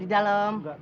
di rumah anak kamu